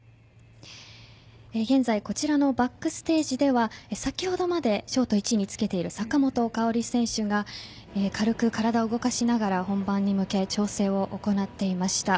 現在こちらのバックステージでは先ほどまでショート１位につけている坂本花織選手が軽く体を動かしながら本番に向け調整を行っていました。